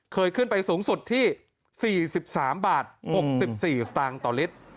เคยขึ้นไปสูงสุดที่๔๓บาท๖๔สตางค์ต่อลิตร